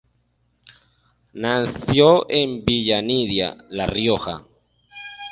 Nació en Villa Nidia, La Rioja.